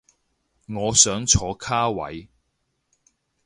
我想坐卡位